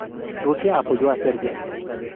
Rusia apoyó Serbia.